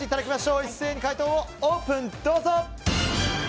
一斉に解答をオープン。